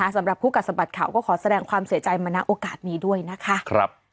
สำหรับคู่กัดสะบัดข่าวก็ขอแสดงความเสียใจมาณโอกาสนี้ด้วยนะคะ